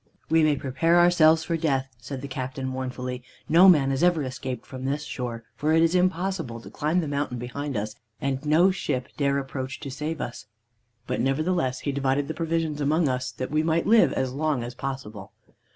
"'We may prepare ourselves for death,' said the captain mournfully. 'No man has ever escaped from this shore, for it is impossible to climb the mountain behind us, and no ship dare approach to save us.' "But nevertheless he divided the provisions among us, that we might live as long as possible.